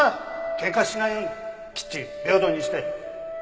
喧嘩しないようにきっちり平等にして。